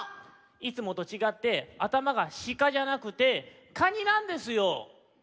いつもとちがってあたまが「しか」じゃなくて「カニ」なんですよ。